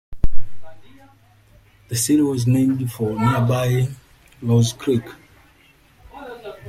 The city was named for nearby Rose Creek.